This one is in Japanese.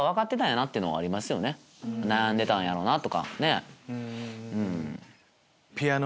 「悩んでたんやろうな」とか。